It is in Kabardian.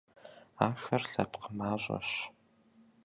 Ахэр лъэпкъ мащӀэщ.